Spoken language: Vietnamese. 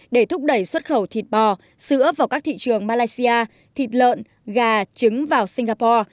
để thúc đẩy xuất khẩu thịt bò sữa vào các thị trường malaysia thịt lợn gà trứng vào singapore